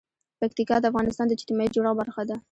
پکتیکا د افغانستان د اجتماعي جوړښت برخه ده.